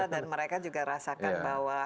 dan mereka juga rasakan bahwa